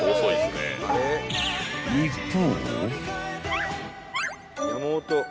［一方］